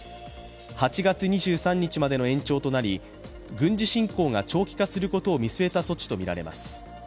８月２３日までの延長となり軍事侵攻が長期化することを見据えた措置とみられます。